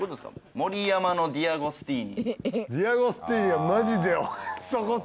「盛山のディアゴスティーニ」